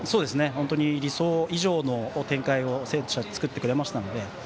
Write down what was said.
本当に理想以上の展開を作ってくれましたので。